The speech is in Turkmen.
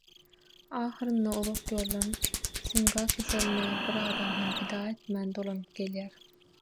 Ahyrynda uzak ýoldan, singa keseline bir adam hem pida etmän dolanyp gelýär.